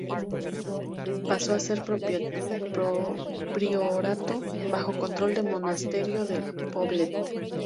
Pasó a ser un priorato, bajo control del monasterio de Poblet.